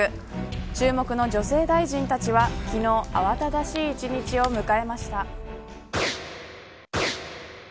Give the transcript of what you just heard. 注目の女性大臣たちは昨日、慌ただしい１日を迎えました。